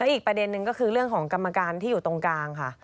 อีกประเด็นนึงก็คือเรื่องของกรรมการที่อยู่ตรงกลางค่ะ